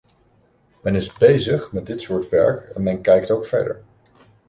Men is bezig met dit soort werk en men kijkt ook verder.